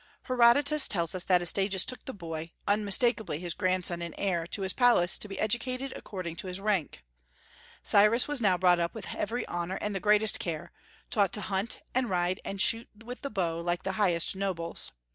Herodotus tells us that Astyages took the boy, unmistakably his grandson and heir, to his palace to be educated according to his rank. Cyrus was now brought up with every honor and the greatest care, taught to hunt and ride and shoot with the bow like the highest nobles.